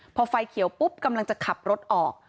พอไฟเขียวปุ๊บกำลังจะขับรถออก